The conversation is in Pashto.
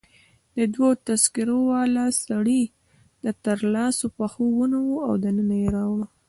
دوو تذکره والاو سړی تر لاسو او پښو ونیو او دننه يې راوړ.